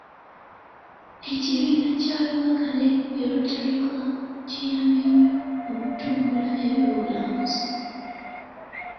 Ekibiina kya Lubaga Lake View Rotary Club kiyambye nnyo mu kutumbula eby'obulambuzi.